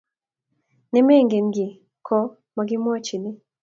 ne mengen kii ko makimwachin